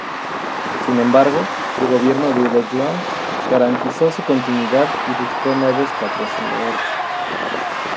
Sin embargo, el Gobierno de Daejeon garantizó su continuidad y buscó nuevos patrocinadores.